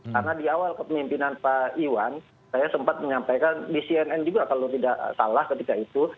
karena di awal kepemimpinan pak iwan saya sempat menyampaikan di cnn juga kalau tidak salah ketika itu